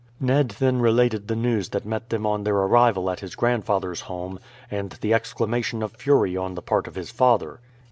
Ned then related the news that met them on their arrival at his grandfather's home, and the exclamation of fury on the part of his father.